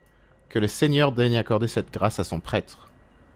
Que le Seigneur daigne accorder cette grâce à son prêtre!